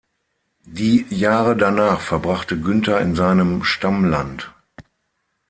Die Jahre danach verbrachte Günther in seinen Stammland.